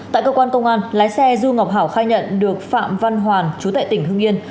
tại cơ quan công an lái xe du ngọc hảo khai nhận được phạm văn hoàn chú tại tỉnh hưng yên